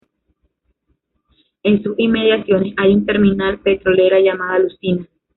En sus inmediaciones hay una terminal petrolera llamada Lucina.